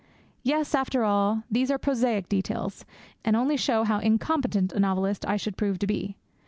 Yes, after all, these are prosaic details, and only show how incompetent a novelist I should prove to be.